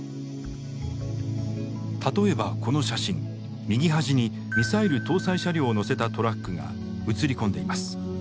例えばこの写真右端にミサイル搭載車両を載せたトラックが写り込んでいます。